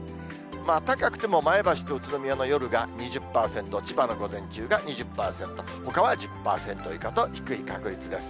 高くても前橋と宇都宮の夜が２０％、千葉の午前中が２０％、ほかは１０％以下と低い確率です。